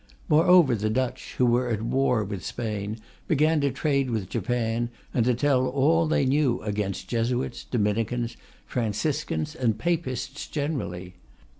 Moreover, the Dutch, who were at war with Spain, began to trade with Japan, and to tell all they knew against Jesuits, Dominicans, Franciscans, and Papists generally.